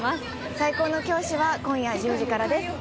最高の教師は今夜１０時からです。